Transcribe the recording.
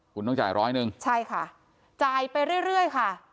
คุณต้องจ่ายร้อยหนึ่งใช่ค่ะจ่ายไปเรื่อยค่ะ